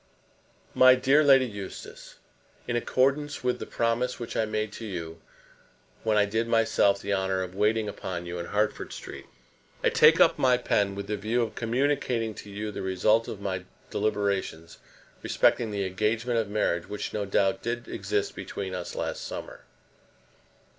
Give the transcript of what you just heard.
MY DEAR LADY EUSTACE, In accordance with the promise which I made to you when I did myself the honour of waiting upon you in Hertford Street, I take up my pen with the view of communicating to you the result of my deliberations respecting the engagement of marriage which, no doubt, did exist between us last summer.